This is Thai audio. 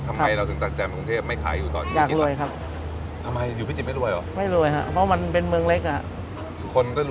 ทำไมเราถึงตัดสินใจมากรุงเทพฯไม่ขายอยู่ตอนพิจิตร